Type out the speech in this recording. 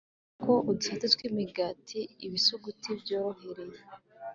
dusanga ko udusate twimigati ibisuguti byorohereye